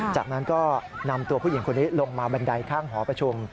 จากนั้นก็นำตัวผู้หญิงคนนี้ลงมาบันไดข้างหอประชุม